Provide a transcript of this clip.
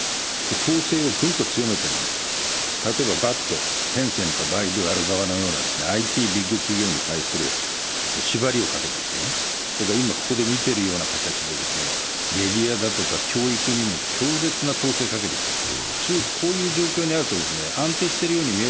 統制をぐんと強めているんですよ、例えばバット、テンセント、アリババのようなＩＴビッグ企業に対する縛りをかけてきて、今、ここで見てるような形で、メディアだとか教育にも強烈な統制をかけてきているんです。